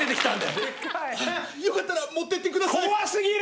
よかったら持ってってください。